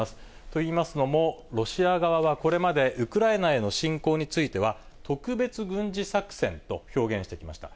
といいますのも、ロシア側はこれまでウクライナへの侵攻については、特別軍事作戦と表現してきました。